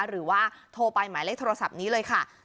หรือว่าโทรไปหมายเลขโทรศัพท์นี้เลยค่ะ